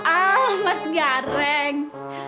ah mas gareng